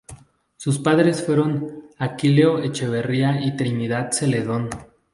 Sus padres fueron Aquileo Echeverría y Trinidad Zeledón.